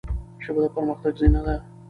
ژبه د پرمختګ زینه ده.